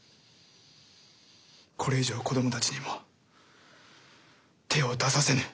これ以上子どもたちにも手を出させぬ！